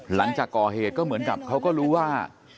หลังจากก่อเหตุก็เหมือนกับเขาก็รู้ว่า